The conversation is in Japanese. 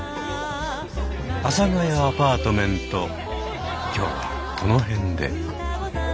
「阿佐ヶ谷アパートメント」今日はこの辺で。